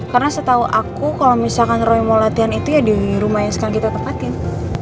karena setahu aku kalau misalkan roy mau latihan itu ya di rumah yang sekarang kita tempatin